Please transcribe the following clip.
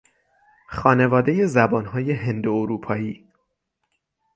خانوادهی زبانهای هند و اروپایی